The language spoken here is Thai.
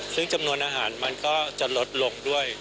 ซึ่งจำนวนอาหารมันก็จะลดลงด้วย